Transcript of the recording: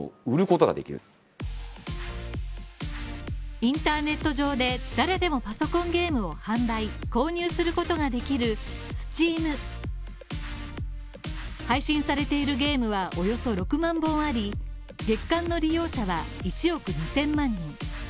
インターネット上で誰でもパソコンゲームを販売購入することができるＳｔｅａｍ配信されているゲームはおよそ６万本あり、月間の利用者は１億２０００万